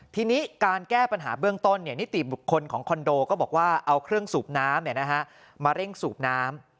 ทีนี้การแก้ปัญหาเบื้องต้นนิติบุคคลของคอนโดก็บอกว่าเอาเครื่องสูบน้ำมาเร่งสูบน้ำ